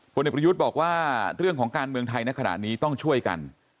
เด็กประยุทธ์บอกว่าเรื่องของการเมืองไทยในขณะนี้ต้องช่วยกัน